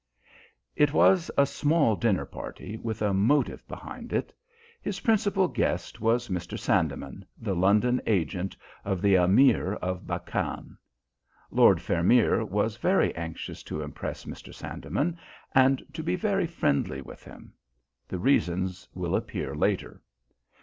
It was a small dinner party, with a motive behind it. His principal guest was Mr. Sandeman, the London agent of the Ameer of Bakkan. Lord Vermeer was very anxious to impress Mr. Sandeman and to be very friendly with him: the reasons will appear later.